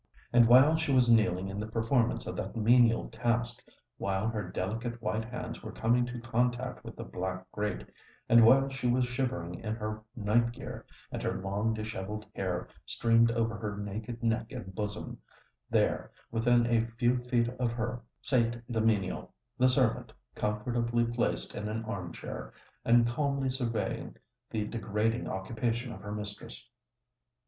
And while she was kneeling in the performance of that menial task,—while her delicate white hands were coming in contact with the black grate,—and while she was shivering in her night gear, and her long dishevelled hair streamed over her naked neck and bosom,—there, within a few feet of her, sate the menial—the servant, comfortably placed in an arm chair, and calmly surveying the degrading occupation of her mistress.